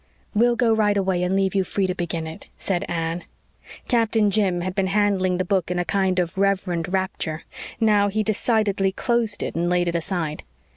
"We'll go right away and leave you free to begin it," said Anne. Captain Jim had been handling the book in a kind of reverent rapture. Now he decidedly closed it and laid it aside.